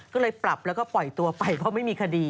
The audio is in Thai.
ก็เลยปรับแล้วก็ปล่อยตัวไปเพราะไม่มีคดี